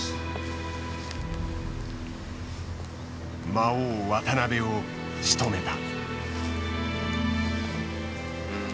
魔王渡辺をしとめた。